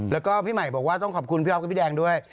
แล้วก็พี่ใหม่บอกว่าต้องขอบคุณพี่อ๊อฟกับพี่แดงด้วย